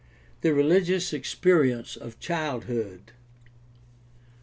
The religious experience of childhood.